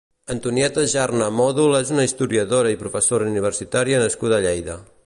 Antonieta Jarne Mòdol és una historiadora i professora universitària nascuda a Lleida.